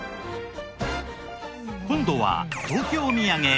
今度は東京土産